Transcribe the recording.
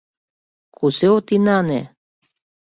Кузе от инане?